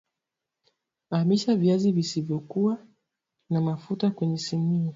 Amisha viazi visivyokua na mafuta kwenye sinia